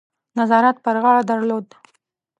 نظارت پر غاړه درلود.